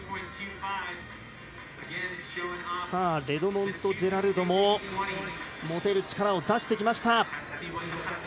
レドモンド・ジェラルドも持てる力を出してきました。